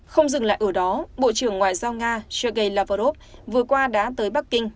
không dừng lại ở đó bộ trưởng ngoại giao nga sergei lavrov vừa qua đã tới bắc kinh